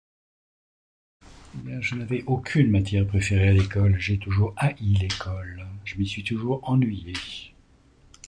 [unintelligible] Je n'avais aucune matière préférée à l'école, j'ai toujours haï l'école. Je m'y suis toujours ennuyé.